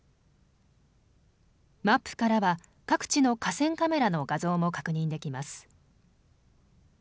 マップからは各地の河川カメラの画像も確認できます。